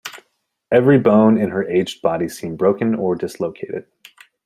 Every bone in her aged body seemed broken or dislocated.